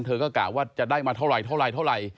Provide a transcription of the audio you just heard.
เธอก็กะว่าจะได้มาเท่าไหรเท่าไหร่